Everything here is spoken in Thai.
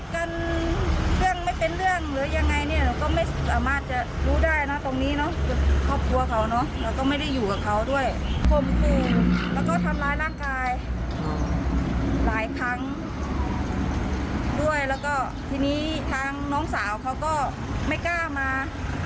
คุกคุยไม่กล้ามาบอกพ่อเขาขับรถออกมาได้เขาก็มาหา